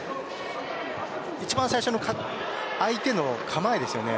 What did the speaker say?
一番最初の相手の構えですよね。